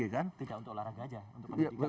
tidak untuk olahraga aja untuk pendidikan